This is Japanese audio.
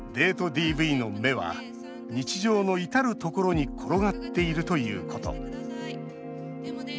ＤＶの芽は日常の至るところに転がっているということ。